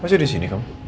masuk disini kamu